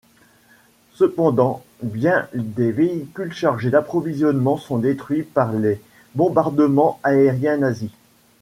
Cependant bien des véhicules chargés d'approvisionnements sont détruits par les bombardements aériens nazis.